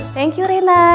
thank you rena